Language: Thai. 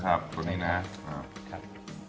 ครับตัวนี้นะครับ